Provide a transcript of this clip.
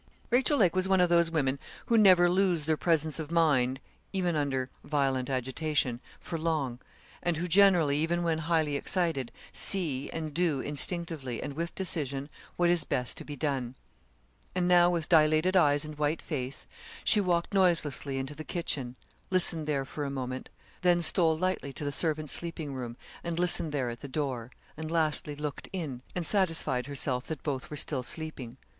Rachel Lake was one of those women who never lose their presence of mind, even under violent agitation, for long, and who generally, even when highly excited, see, and do instinctively, and with decision, what is best to be done; and now, with dilated eyes and white face, she walked noiselessly into the kitchen, listened there for a moment, then stole lightly to the servants' sleeping room, and listened there at the door, and lastly looked in, and satisfied herself that both were still sleeping.